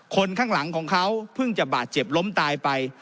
คนข้างหลังของเขาเพิ่งจะบาดเจ็บล้มตายไป